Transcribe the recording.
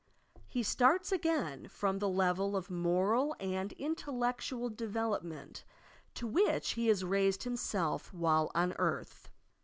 He starts again from the level of moral and intellectual development to which he has raised himself while on earth."